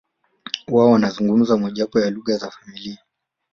Wao wanazungumza mojawapo ya lugha za familia